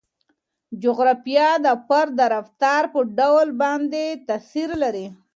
جغرافیه د فرد د رفتار په ډول باندې تاثیر لري.